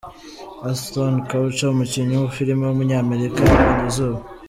Ashton Kutcher, umukinnyi wa filime w’umunyamerika yabonye izuba.